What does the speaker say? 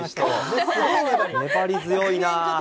粘り強いな。